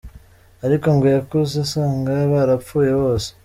Ariko ngo yakuze asanga barapfuye bose.